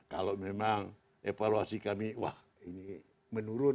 kalau memang evaluasi kami wah ini menurun